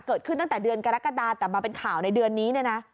เกิดขึ้นตั้งแต่เดือนกรกฎาแต่มาเป็นข่าวในเดือนนี้เนี่ยนะ